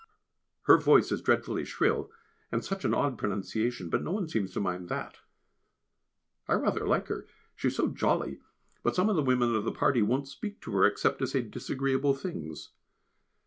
Her voice is dreadfully shrill, and such an odd pronunciation, but no one seems to mind that. I rather like her, she is so jolly but some of the women of the party won't speak to her, except to say disagreeable things.